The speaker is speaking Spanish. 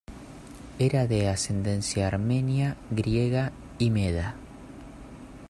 Era de ascendencia armenia, griega y meda.